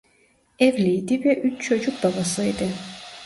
Evliydi ve üç çocuk babasıydı.